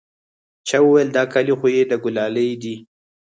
چا وويل دا كالي خو يې د ګلالي دي.